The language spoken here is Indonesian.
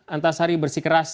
antasari bersih keras